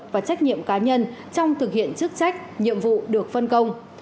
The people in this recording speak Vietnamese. và trách nhiệm cá nhân trong thực hiện chức trách nhiệm vụ được phân công